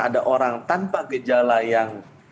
ada orang tanpa gejala yang